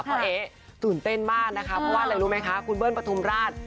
เอ๊ตื่นเต้นมากนะคะเพราะว่าอะไรรู้ไหมคะคุณเบิ้ลปฐุมราช